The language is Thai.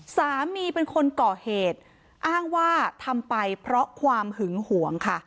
สามีเป็นคนก่อเหตุอ้างว่าทำไปเพราะความหึงหวงค่ะ